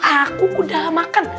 aku udah makan